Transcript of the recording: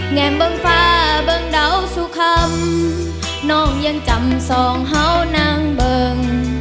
แง่มบังฟ้าบังดาวสู่คำน้องยังจำสองเฮ้านางเบิง